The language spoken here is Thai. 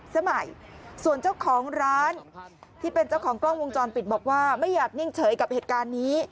สมัยส่วนเจ้าของร้านที่เป็นเจ้าของกล้องวงจรปิดบอกว่าไม่อยากนิ่งเฉยกับเหตุการณ์นี้